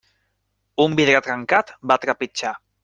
Un vidre trencat, va trepitjar.